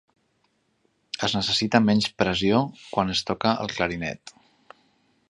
Es necessita menys pressió quan es toca el clarinet.